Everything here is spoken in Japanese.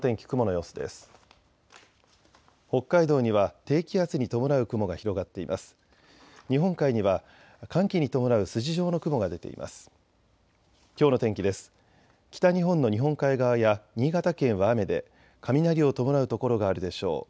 北日本の日本海側や新潟県は雨で雷を伴う所があるでしょう。